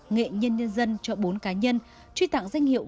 nghệ nhân nhân dân cho bốn cá nhân truy tặng danh hiệu